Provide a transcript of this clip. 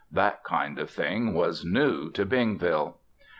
That kind of thing was new to Bingville.